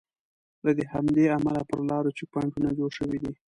له همدې امله پر لارو چیک پواینټونه جوړ شوي دي.